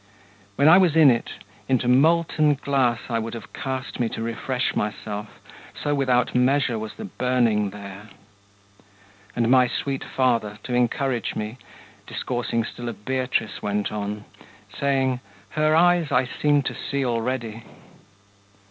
When I was in it, into molten glass I would have cast me to refresh myself, So without measure was the burning there! And my sweet Father, to encourage me, Discoursing still of Beatrice went on, Saying: "Her eyes I seem to see already!"